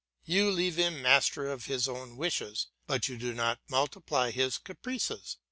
You leave him master of his own wishes, but you do not multiply his caprices.